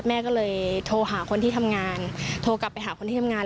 แม่ก็เลยโทรหาคนที่ทำงานโทรกลับไปหาคนที่ทำงาน